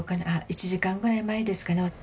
１時間ぐらい前ですかね。